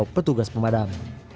yang kau petugas pemadam